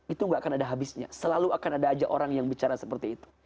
itu gak akan ada habisnya selalu akan ada aja orang yang bicara seperti itu